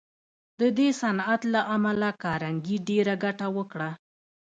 د دې صنعت له امله کارنګي ډېره ګټه وکړه